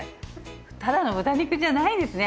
ただの豚肉じゃないですね。